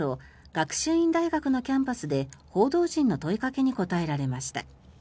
学習院大学のキャンパスで報道陣の問いかけに答えられました。